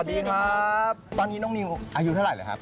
สวัสดีครับตอนนี้น้องนิวอายุเท่าไหร่ครับ